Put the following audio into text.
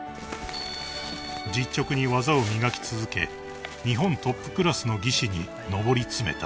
［実直に技を磨き続け日本トップクラスの技士に上り詰めた］